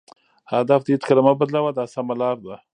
هدف دې هېڅکله مه بدلوه دا سمه لار ده.